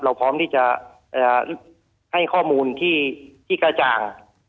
พร้อมที่จะให้ข้อมูลที่กระจ่าง